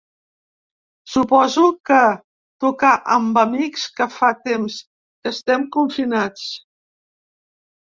Suposo que tocar amb amics que fa temps que estem confinats.